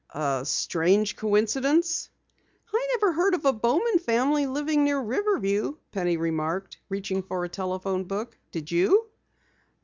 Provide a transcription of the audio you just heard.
"A strange coincidence." "I never heard of a Bowman family living near Riverview," Penny remarked, reaching for a telephone book. "Did you?"